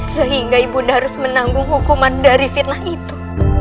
sehingga ibu nanda harus menanggung hukuman dari fitnah itu